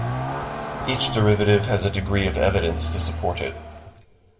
Each derivative has a degree of evidence to support it.